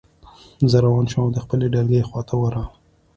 زه روان شوم او د خپلې ډلګۍ خواته ورغلم